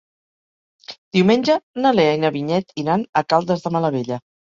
Diumenge na Lea i na Vinyet iran a Caldes de Malavella.